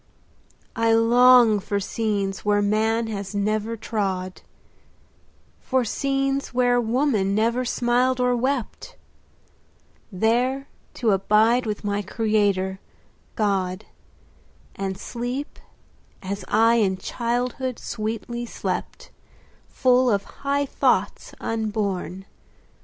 I long for scenes where man has never trod— For scenes where woman never smiled or wept— There to abide with my Creator, God, 15 And sleep as I in childhood sweetly slept, Full of high thoughts, unborn.